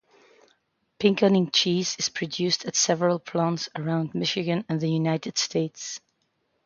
Pinconning cheese is produced at several plants around Michigan and the United States.